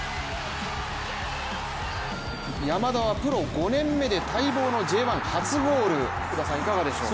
山田はプロ５年目で待望のＪ１初ゴール、いかがでしょう？